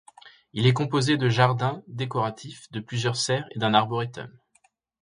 Il est composé de jardins décoratifs, de plusieurs serres et d'un arboretum.